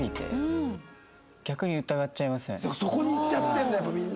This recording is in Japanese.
そこにいっちゃってんだよやっぱみんな。